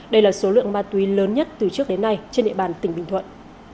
đây là số lượng ma túy lớn nhất từ trước đến nay trên địa bàn tỉnh bình thuận